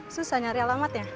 susah nyari alamat ya